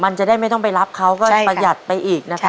มันจะได้ไม่ต้องไปรับเขาก็ประหยัดไปอีกนะครับ